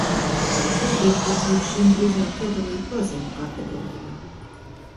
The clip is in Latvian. Pat tādiem, kurus līdz šim drīzāk iedalīju paziņu kategorijā.